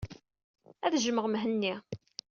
Ad jjmeɣ Mhenni.